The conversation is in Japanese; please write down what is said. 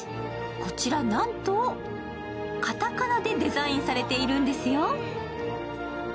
こちらなんと片仮名でデザインされているんですよ。